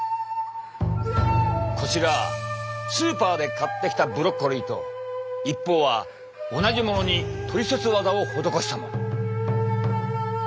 こちらスーパーで買ってきたブロッコリーと一方は同じものにトリセツワザを施したもの。